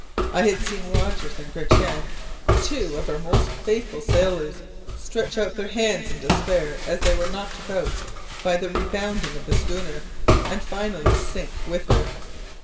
I had seen Rogers and Gratian, two of our most faithful sailors, stretch out their hands in despair as they were knocked about by the rebounding of the schooner, and finally sink with her!